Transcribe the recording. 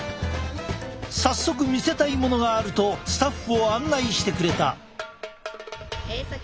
早速見せたいものがあるとスタッフを案内してくれた。